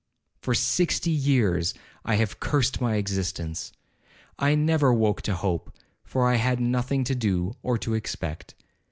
For sixty years I have cursed my existence. I never woke to hope, for I had nothing to do or to expect.